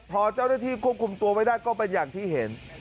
พอเจ้าหน้าที่ควบคุมตัวไว้ได้ก็เป็นอย่างที่เห็น